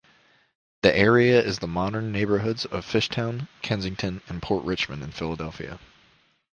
The area is the modern neighborhoods of Fishtown, Kensington, and Port Richmond in Philadelphia.